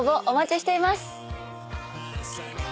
お待ちしています。